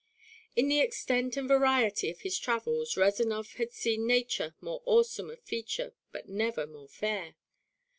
In the extent and variety of his travels Rezanov had seen Nature more awesome of feature but never more fair.